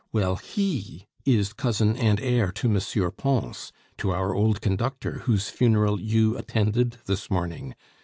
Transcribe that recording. Well, he is cousin and heir to M. Pons, to our old conductor whose funeral you attended this morning.